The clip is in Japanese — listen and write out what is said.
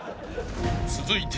［続いて］